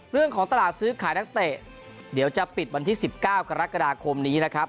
เรื่องของตลาดซื้อขายนักเตะเดี๋ยวจะปิดวันที่๑๙กรกฎาคมนี้นะครับ